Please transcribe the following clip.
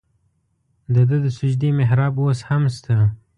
د ده د سجدې محراب اوس هم شته.